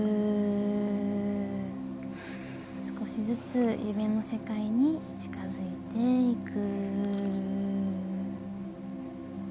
少しずつ夢の世界に近づいていく。